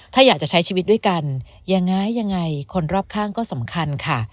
ถ้าอยากจะใช้ชีวิตด้วยกันยังไงคนรอบข้างก็สำคัญค่ะ